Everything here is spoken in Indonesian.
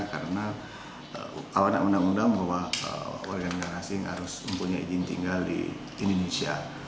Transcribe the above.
karena awal awal menanggung bahwa warga negara asing harus mempunyai izin tinggal di indonesia